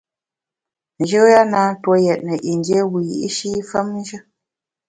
Njoya na ntue yètne yin dié wiyi’shi femnjù.